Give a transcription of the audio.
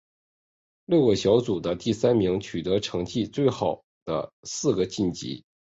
六个小组的第三名取成绩最好的四个晋级。